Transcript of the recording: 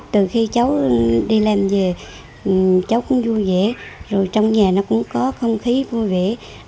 từ khi cháu đi làm về cháu cũng vui vẻ rồi trong nhà nó cũng có không khí vui vẻ